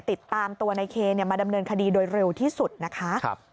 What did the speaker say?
ติดตามตัวในเคมาดำเนินคดีโดยเร็วที่สุดนะคะ